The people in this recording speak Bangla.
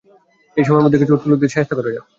এই সময়ের মধ্যে কিছু উটকো লোকেদের শায়েস্তা করা যাক!